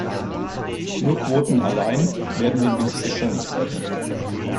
Nur Quoten allein werden den Milchsektor nicht retten.